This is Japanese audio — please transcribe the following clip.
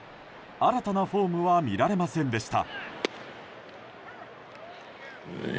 新たなフォームは見られませんでした。